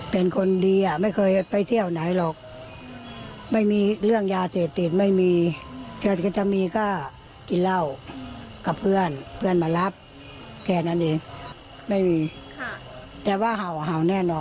พอแกมาที่นี่ก็เห่า